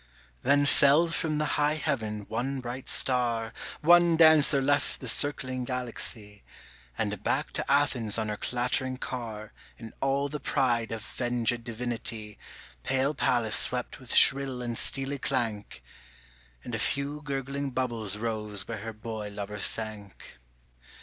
Then fell from the high heaven one bright star, One dancer left the circling galaxy, And back to Athens on her clattering car In all the pride of venged divinity Pale Pallas swept with shrill and steely clank, And a few gurgling bubbles rose where her boy lover sank.